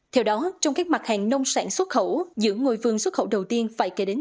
theo đó trong các mặt hàng nông sản xuất khẩu giữa ngôi vườn xuất khẩu đầu tiên phải kể đến